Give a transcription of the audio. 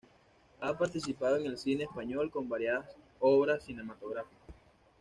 Ha participado en el cine español, con variadas obras cinematográficas.